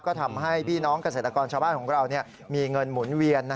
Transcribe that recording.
ก็ทำให้พี่น้องเกษตรกรชาวบ้านของเรามีเงินหมุนเวียน